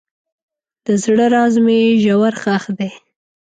د زړه راز مې ژور ښخ دی.